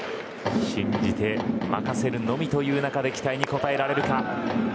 信じて任せるのみという中で期待に応えられるか。